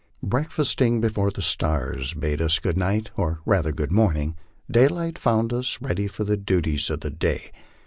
Breakfasting before the stars bade us good night, or rather good morning, daylight found us ready for the duties of the day.